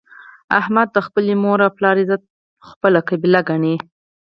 احمد د خپلې مور او پلار عزت خپله قبله ګڼي.